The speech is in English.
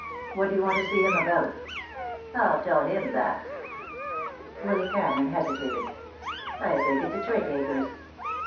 "What do you want to see him about?" "I'll tell him that." Willy Cameron hesitated. "I think it's a trick, Akers."